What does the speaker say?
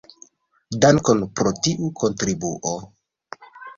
Dankon pro tiu kontribuo.